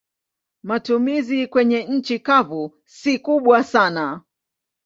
Matumizi kwenye nchi kavu si kubwa sana.